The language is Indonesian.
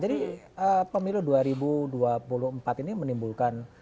jadi pemilu dua ribu dua puluh empat ini menimbulkan